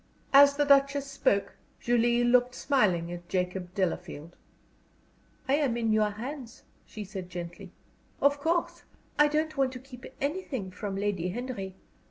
As the Duchess spoke, Julie looked smiling at Jacob Delafield. "I am in your hands," she said, gently. "Of course I don't want to keep anything from Lady Henry.